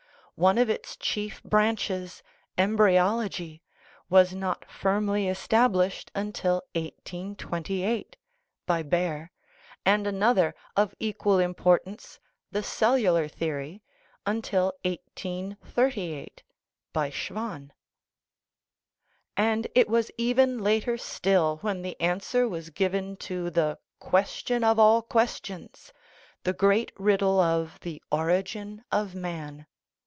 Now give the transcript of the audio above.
One of its chief branches embryology was not firmly established until 1828 (by Baer), and another, of equal importance the cellular theory until 1838 (by Schwann). And it was even later still when the answer was given to the "question of all questions," the great riddle of the origin of man.